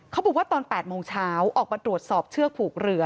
เขาบอกว่าตอน๘โมงเช้าออกมาตรวจสอบเชือกผูกเรือ